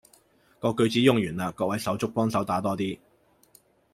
啲句子用完啦，各位手足幫手打多啲